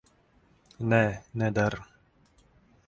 Nē, neder.